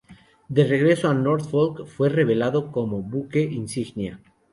De regreso a Norfolk, fue relevado como buque insignia.